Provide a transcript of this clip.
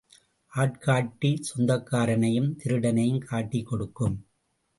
ஆட்காட்டி சொந்தக்காரனையும் திருடனையும் காட்டிக் கொடுக்கும்.